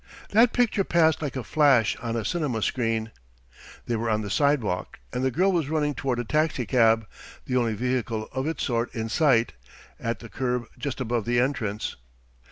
That picture passed like a flash on a cinema screen. They were on the sidewalk, and the girl was running toward a taxicab, the only vehicle of its sort in sight, at the curb just above the entrance.